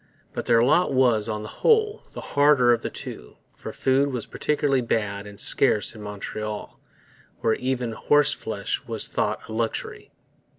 But their lot was, on the whole, the harder of the two; for food was particularly bad and scarce in Montreal, where even horseflesh was thought a luxury.